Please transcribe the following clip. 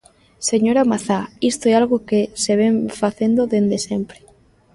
Señora Mazá, isto é algo que se vén facendo dende sempre.